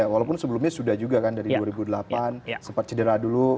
walaupun sebelumnya sudah juga kan dari dua ribu delapan sempat cedera dulu